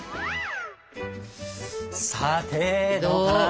さてどうかな？